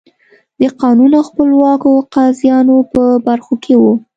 د قانون او خپلواکو قاضیانو په برخو کې وو.